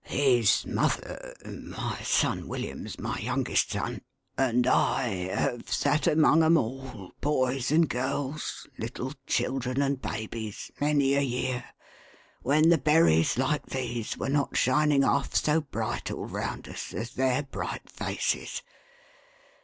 " His mother — my son William's my youngest son — and I, have sat among 'em all, boys and girls, little children and babies, many a year, when the berries like these were not shining half so bright all round us, as their bright faces.